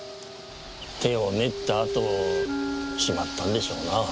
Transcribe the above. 手を練ったあとしまったんでしょうなぁ。